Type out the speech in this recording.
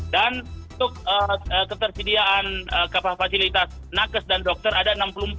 dan untuk ketersediaan kapal fasilitas nakes dan dokter ada enam puluh empat